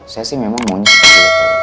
saya sih memang mau nyusul